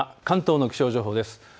関東の気象情報です。